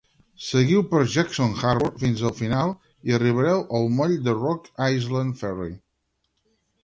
Seguiu per Jackson Harbor fins al final i arribareu al moll de Rock Island Ferry.